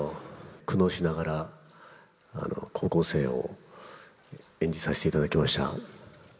苦悩しながら、高校生を演じさせていただきました。